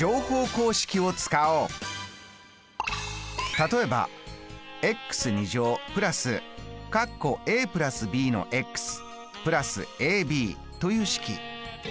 例えばという式。